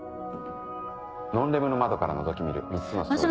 ノンレムの窓からのぞき見る３つのストーリー。